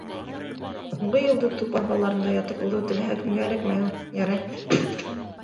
- Һуңғы юлды туп арбаларында ятып уҙыу теләһә кемгә эләкмәй ул. Ярай.